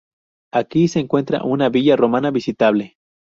Aquí se encuentra una villa romana visitable.